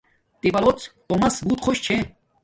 تبلوڎ تومس بوت خوش چھے